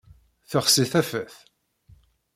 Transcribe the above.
Texsi tafat.